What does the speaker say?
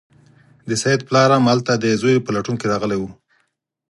د سید پلار هم هلته د زوی په لټون راغلی و.